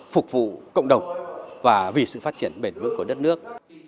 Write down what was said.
phục vụ cộng đồng và vì sự phát triển bền vững của đất nước